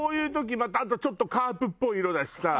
またあとちょっとカープっぽい色だしさ。